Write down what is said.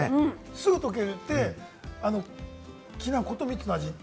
すぐ溶けて、きな粉と水の味。